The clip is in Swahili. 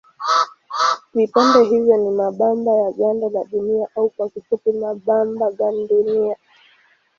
Vipande hivyo ni mabamba ya ganda la Dunia au kwa kifupi mabamba gandunia.